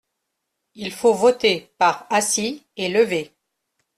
Il faut voter par assis et levé.